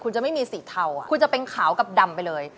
คุณจะไม่มีสีเทาคุณจะเป็นขาวกับดำไปเลย